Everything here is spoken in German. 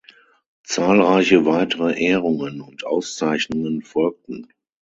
Zahlreiche weitere Ehrungen und Auszeichnungen folgten.